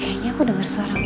kayaknya aku denger suara mobil